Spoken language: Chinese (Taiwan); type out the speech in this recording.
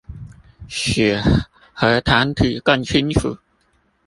使核糖體更清楚